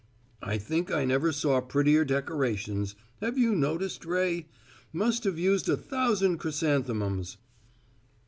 "I think I never saw prettier decorations. Have you noticed, Ray? Must have used a thousand chrysanthemums."